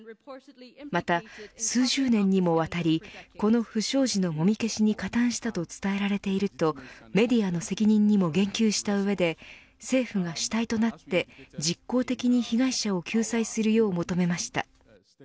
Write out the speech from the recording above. また、数十年にもわたりこの不祥事のもみ消しに加担したと伝えられているとメディアの責任にも言及した上で政府が主体となって、実効的に被害者を救済するよう求めました。